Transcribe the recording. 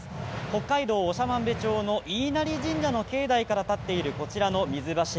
北海道長万部町の飯生神社の境内から立っているこちらの水柱。